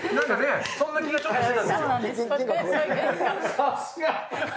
さすが！